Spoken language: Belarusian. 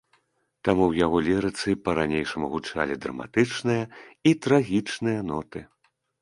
Таму ў яго лірыцы па-ранейшаму гучалі драматычныя і трагічныя ноты.